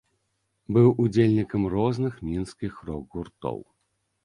Быў удзельнікам розных мінскіх рок-гуртоў.